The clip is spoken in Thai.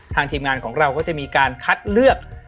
ทีมงานของเราก็จะมีการคัดเลือก